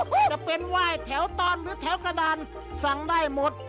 จะเป็นไหว้แถวตอนหรือแถวกระดานสั่งได้หมด